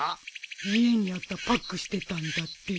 家にあったパックしてたんだって。